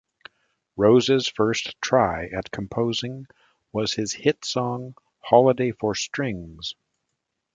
Rose's first try at composing was his hit song "Holiday for Strings".